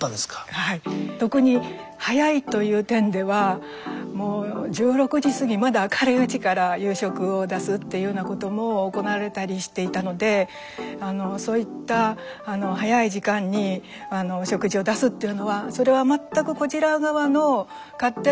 はい特に「早い」という点ではもう１６時過ぎまだ明るいうちから夕食を出すっていうようなことも行われたりしていたのでそういった早い時間に食事を出すっていうのはそれは全くこちら側の勝手な都合なんですね。